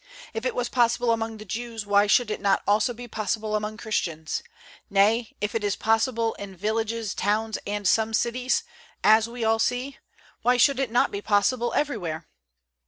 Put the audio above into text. If it was possible among the Jews, why should it not also be possible among Christians? Nay, if it is possible in villages, towns and some cities, as we all see, why should it not be possible everywhere?